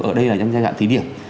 ở đây là trong giai đoạn tí điểm